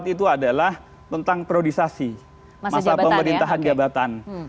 tiga puluh empat itu adalah tentang periodisasi masa pemerintahan jabatan